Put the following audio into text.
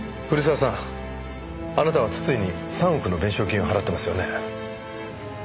古澤さんあなたは筒井に３億の弁償金を払ってますよね？